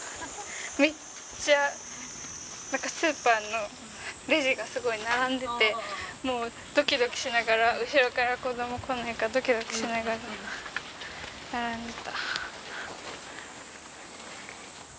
めっちゃなんかスーパーのレジがすごく並んでてもうドキドキしながら後ろから子ども来ないかドキドキしながら並んでた。